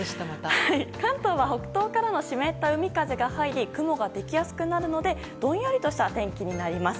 関東は北東からの湿った海風が入り雲ができやすくなるのでどんよりとした天気になります。